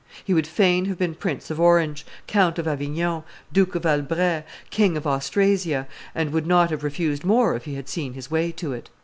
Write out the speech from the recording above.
He would fain have been Prince of Orange, Count of Avignon, Duke of Albret, King of Austrasia, and would not have refused more if he had seen his way to it."